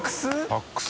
サックス。